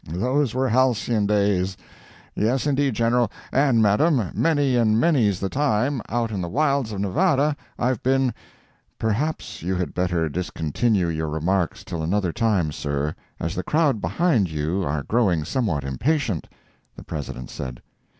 Those were halcyon days. Yes, indeed, General; and madam, many and many's the time, out in the wilds of Nevada, I've been—" "Perhaps you had better discontinue your remarks till another time, sir, as the crowd behind you are growing somewhat impatient," the President said.